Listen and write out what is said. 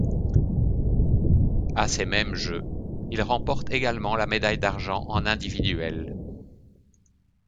À ces mêmes Jeux, il remporte également la médaille d'argent en individuel.